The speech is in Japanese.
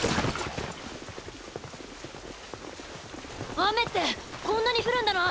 雨ってこんなに降るんだな！